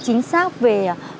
chính xác về